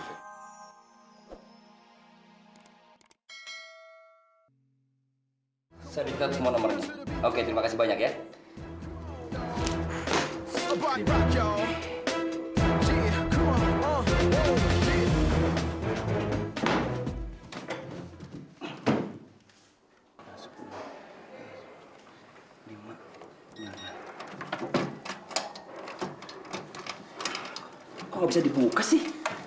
kok gak bisa dibuka sih